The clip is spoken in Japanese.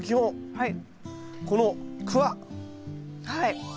はい。